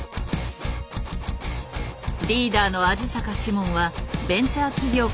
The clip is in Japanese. リーダーの鯵坂志門はベンチャー企業から転職して３年目。